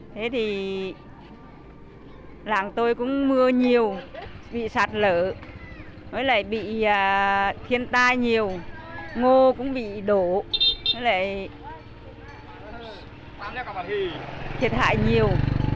thế thì làng tôi cũng mưa nhiều bị sạt lở mới lại bị thiên tai nhiều ngô cũng bị đổ với lại thiệt hại nhiều